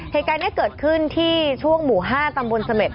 เหตุการณ์นี้เกิดขึ้นที่ช่วงหมู่๕ตำบลเสม็ด